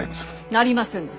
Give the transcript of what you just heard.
なりませぬ。